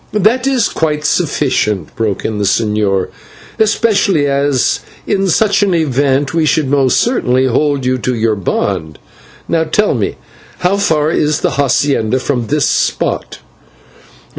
"That is quite sufficient," broke in the señor, "especially as in such an event we should most certainly hold you to your bond. And now tell me how far is the /hacienda/ from this spot?"